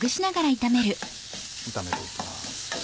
炒めていきます。